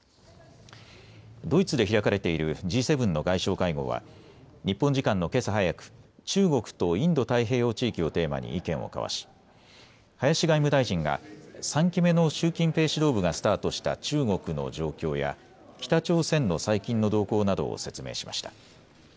ドイツで開かれているＧ７の外相会合は日本時間のけさ早く中国とインド太平洋地域をテーマに意見を交わし、林外務大臣が３期目の習近平指導部がスタートした中国の状況や北朝鮮の最近の動向などを説明しました。